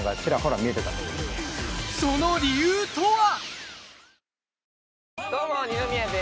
その理由とは？